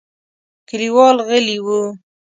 کليوال غلي وو.